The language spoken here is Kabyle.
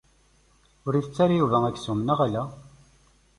Ur itett ara Yuba aksum, neɣ ala?